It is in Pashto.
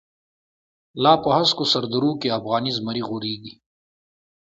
لاپه هسکوسردروکی، افغانی زمری غوریږی